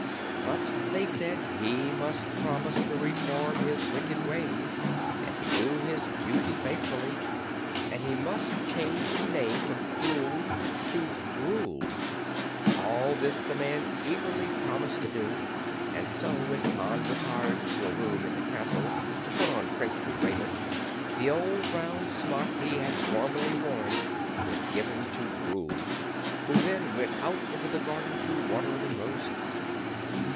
But they said he must promise to reform his wicked ways and to do his duty faithfully, and he must change his name from Krewl to Grewl. All this the man eagerly promised to do, and so when Pon retired to a room in the castle to put on princely raiment, the old brown smock he had formerly worn was given to Grewl, who then went out into the garden to water the roses.